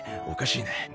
おかしいな。